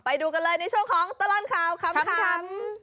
ไปดูกันเลยในช่วงของตลอดข่าวขำ